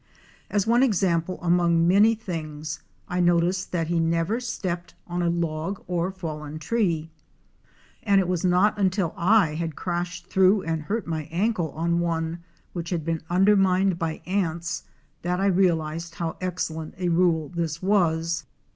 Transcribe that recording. As one example among many 316 JUNGLE LIFE AT AREMU. 317 things, I noticed that he never stepped on a log or fallen tree, and it was not until I had crashed through and hurt my ankle on one which had been undermined by ants that I realized how excellent a rule this was.